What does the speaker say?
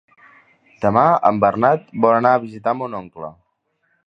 Demà en Bernat vol anar a visitar mon oncle.